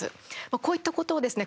こういったことをですね